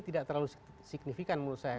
tidak terlalu signifikan menurut saya